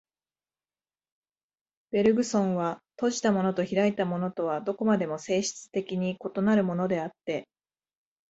ベルグソンは、閉じたものと開いたものとはどこまでも性質的に異なるものであって、